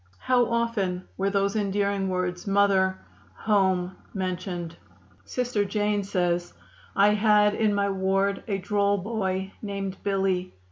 How often were those endearing words, 'Mother,' 'Home,' mentioned!" Sister Jane says: "I had in my ward a droll boy named Billy.